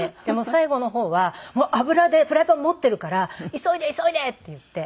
最後の方は油でフライパン持っているから「急いで急いで」って言って。